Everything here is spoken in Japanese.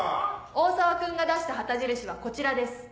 大沢君が出した旗印はこちらです。